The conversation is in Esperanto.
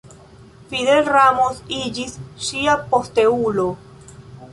Fidel Ramos iĝis ŝia posteulo.